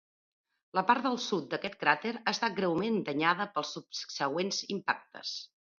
La part del sud d'aquest cràter ha estat greument danyada pels subsegüents impactes.